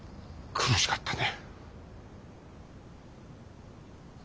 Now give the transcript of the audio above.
苦しかったね。